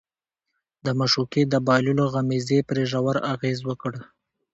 د معشوقې د بايللو غمېزې پرې ژور اغېز وکړ.